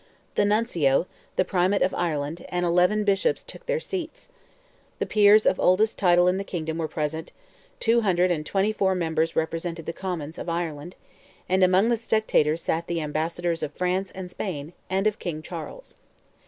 The Nuncio, the Primate of Ireland, and eleven bishops took their seats; the peers of oldest title in the kingdom were present; two hundred and twenty four members represented the Commons of Ireland, and among the spectators sat the ambassadors of France and Spain, and of King Charles.